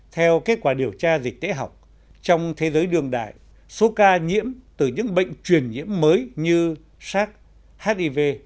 theo kết quả điều tra dịch tễ học trong thế giới đường đại số ca nhiễm từ những bệnh truyền nhiễm mới như sars hiv